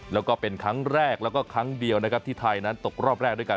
แล้วก็เป็นครั้งแรกแล้วก็ครั้งเดียวนะครับที่ไทยนั้นตกรอบแรกด้วยกัน